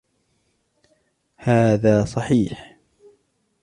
هذا صحيح.